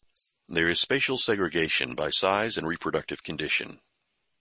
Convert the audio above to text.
There is spatial segregation by size and reproductive condition.